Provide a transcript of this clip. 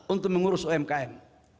untuk mengurus umkm